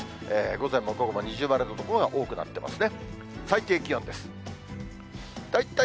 午前も午後も二重丸の所が多くなってますね。